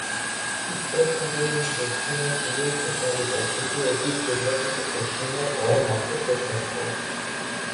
উত্তর থেকে দক্ষিণে চিলি প্রসারিত কিন্তু এটি পূর্ব থেকে পশ্চিমে গড়ে মাত্র প্রশস্ত।